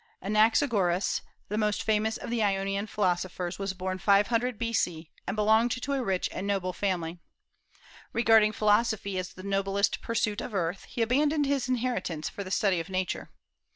Anaxagoras, the most famous of the Ionian philosophers, was born 500 B.C., and belonged to a rich and noble family. Regarding philosophy as the noblest pursuit of earth, he abandoned his inheritance for the study of Nature.